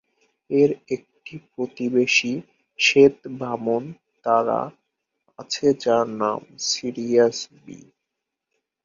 এর একটি প্রতিবেশী শ্বেত বামন তারা আছে যার নাম "সিরিয়াস বি"।